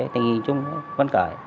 thì nhìn chúng vẫn cởi